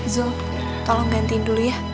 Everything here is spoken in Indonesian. zul tolong ganti dulu ya